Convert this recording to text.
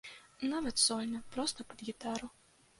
Нават сольна, проста пад гітару.